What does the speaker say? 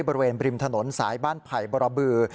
บริเวณบริมถนนสายบ้านไผ่บรบือ